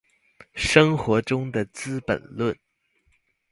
生活中的資本論